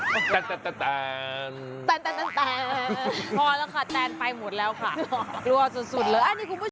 พอแล้วค่ะแตนไปหมดแล้วค่ะลัวสุดสุดเลย